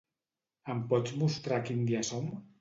Em pots mostrar a quin dia som?